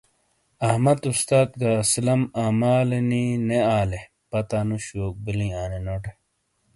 احمد استاس گہ اسلم اعمالے نی نے آلا لے پتا نوش یوک بلیں آنینو ٹے ۔